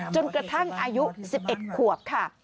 จนกระทั่งอายุ๑๑ขวบค่ะ